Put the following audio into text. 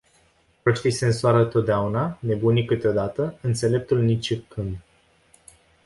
Proștii se însoară totdeauna, nebunii câteodată, înțeleptul nicicând.